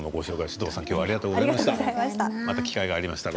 首藤さんありがとうございました。